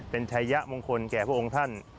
เป็นชัยยะมงคลแก่พระองค์ท่าน